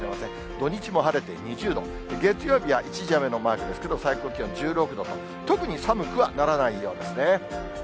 土日も晴れて２０度、月曜日は一時雨のマークですけれども、最高気温１６度と、特に寒くはならないようですね。